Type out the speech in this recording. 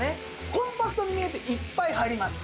コンパクトに見えていっぱい入ります。